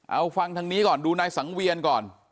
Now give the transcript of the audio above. เอาฟังทางนี้ก่อนดูนายสังเวียนก่อน